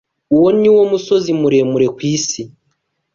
Uwo niwo musozi muremure kwisi.